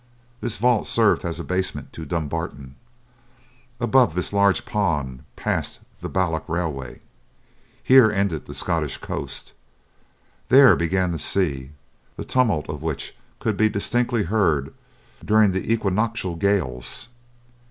This vault served as a basement to Dumbarton. Above this large pond passed the Balloch railway. Here ended the Scottish coast. There began the sea, the tumult of which could be distinctly heard during the equinoctial gales.